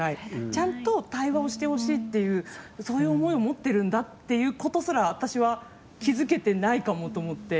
ちゃんと対話をしてほしいっていうそういう思いを持ってるんだっていうことすら私は気づけてないかもと思って。